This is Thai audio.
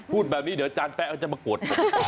พูดแบบนี้เดี๋ยวอาจารย์แป๊ะเขาจะมากด